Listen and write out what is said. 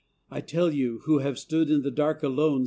I tell you, who have stood in the dark alone.